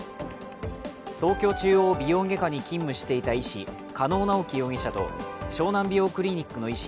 東京中央美容外科に勤務していた医師、加納直樹容疑者と湘南美容クリニックの医師